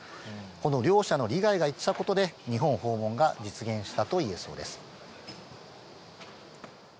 この両者の利害が一致したことで、日本訪問が実現したといえそうです。